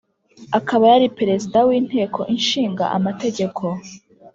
akaba yari perezida w' inteko ishinga amategeko.